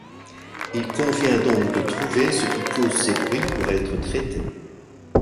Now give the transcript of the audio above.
Il convient donc de trouver ce qui cause ces bruits pour être traité.